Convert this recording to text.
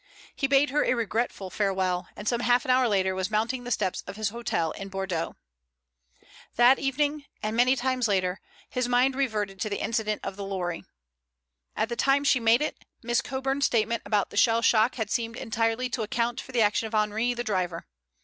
He bade her a regretful farewell, and some half hour later was mounting the steps of his hotel in Bordeaux. That evening and many times later, his mind reverted to the incident of the lorry. At the time she made it, Miss Coburn's statement about the shell shock had seemed entirely to account for the action of Henri, the driver.